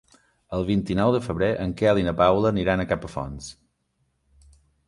El vint-i-nou de febrer en Quel i na Paula aniran a Capafonts.